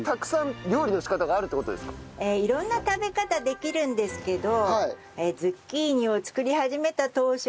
色んな食べ方できるんですけど。